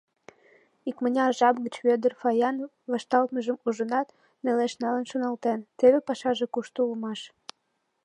Икмыняр жап гыч Вӧдыр Фаян вашталтмыжым ужынат, нелеш налын шоналтен: «Теве пашаже кушто улмаш!